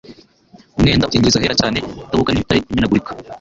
umwenda ukingiriza ahera cyane utabuka n'ibitare bimenagurika,